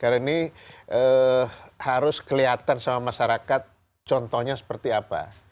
karena ini harus kelihatan sama masyarakat contohnya seperti apa